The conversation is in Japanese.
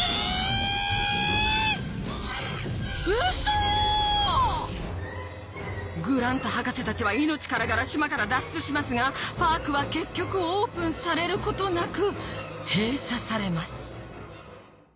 えぇ⁉ウソ⁉グラント博士たちは命からがら島から脱出しますがパークは結局オープンされることなく閉鎖されます